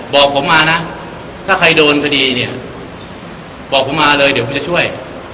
บอกผมมานะถ้าใครโดนคดีเนี่ยบอกผมมาเลยเดี๋ยวผมจะช่วย